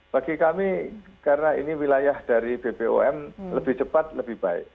bagi kami karena ini wilayah dari bpom lebih cepat lebih baik